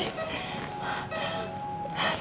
ya ampun andi